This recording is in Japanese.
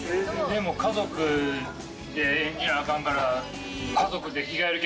でも家族で演じなあかんから。